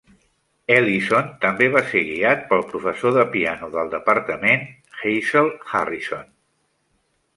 Ellison també va ser guiat pel professor de piano del departament Hazel Harrison.